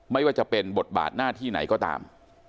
ไม่ว่าจะเป็นบทบาทหน้าที่ไหนก็ตาม